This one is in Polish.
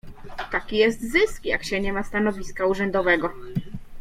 "Taki jest zysk, jak się nie ma stanowiska urzędowego."